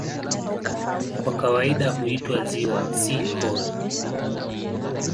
Kwa kawaida huitwa "ziwa", si "hori".